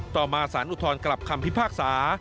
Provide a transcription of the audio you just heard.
ต่อมาสารอุทธรณ์กลับคำพิพากษา